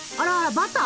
バター？